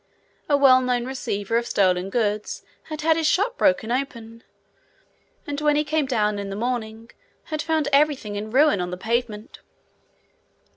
A well known receiver of stolen goods had had his shop broken open, and when he came down in the morning had found everything in ruin on the pavement.